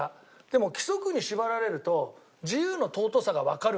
でも規則に縛られると。